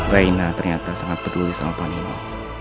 reina ternyata sangat peduli sama panino